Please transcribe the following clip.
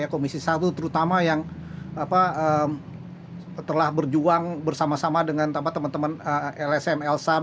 komisi satu terutama yang telah berjuang bersama sama dengan teman teman lsm lsm